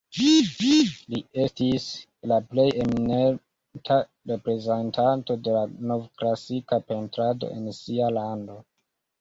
Li estis la plej eminenta reprezentanto de la novklasika pentrado en sia lando.